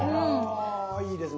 あいいですね。